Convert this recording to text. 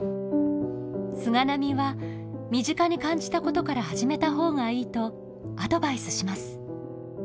菅波は身近に感じたことから始めた方がいいとアドバイスします。